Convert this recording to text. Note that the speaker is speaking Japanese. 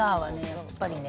やっぱりね